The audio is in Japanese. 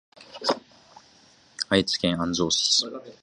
愛知県安城市